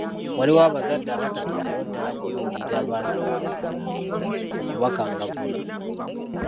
Waliwo abazadde abatafiirayo ddala kubuulirira ku baana baabwe wadde okubakangavvula.